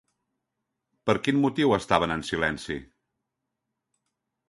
Per quin motiu estaven en silenci?